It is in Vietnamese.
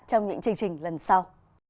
trong những chương trình lần sau